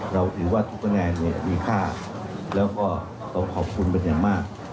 เราถือว่าทุกคะแนนเนี่ยมีค่าแล้วก็เราขอบคุณเป็นอย่างมาก